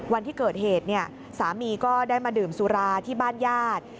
วันที่เกิดเหตุสามีก็ได้มาดื่มสุราที่บ้านญาติ